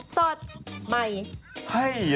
สดใหม่ให้เยอะ